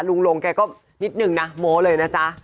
ลุงรงค์แกก็นิดหนึ่งน่ะโมเลยนะจ๊ะ